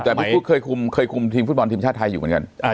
แต่พี่พุทธเคยคุมทีมฟุตบอลทีมชาติไทยอยู่เหมือนกัน